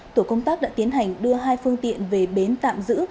tổ công tác đã tiến hành đưa hai phương tiện về bến tạm giữ